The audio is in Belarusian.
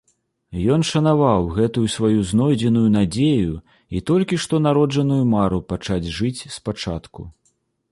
Ён шанаваў гэтую сваю знойдзеную надзею і толькі што народжаную мару пачаць жыць спачатку.